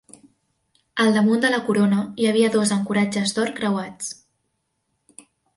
Al damunt de la corona hi havia dos ancoratges d'or creuats.